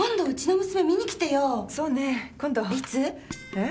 えっ？